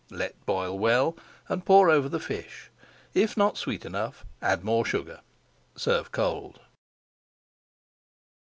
Let boil well and pour over the fish. If not sweet enough, add more sugar. Serve cold.